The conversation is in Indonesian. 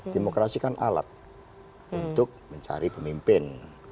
demokrasi kan alat untuk mencari pemimpin